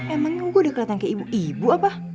emangnya gue udah keliatan kayak ibu ibu apa